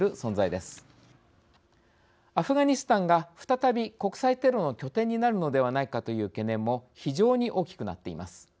アフガニスタンが再び国際テロの拠点になるのではないかという懸念も非常に大きくなっています。